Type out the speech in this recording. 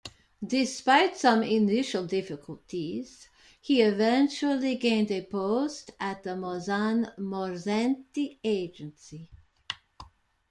Despite some initial difficulties, he eventually gained a post at the Mauzan-Morzenti Agency.